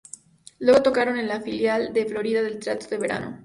Luego tocaron en la filial de Florida del Teatro de Verano.